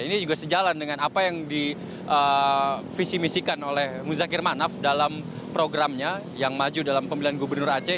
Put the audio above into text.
ini juga sejalan dengan apa yang divisi misikan oleh muzakir manaf dalam programnya yang maju dalam pemilihan gubernur aceh